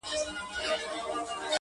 نه قوت یې د دښمن وو آزمېیلی -